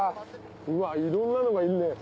うわいろんなのがいるね。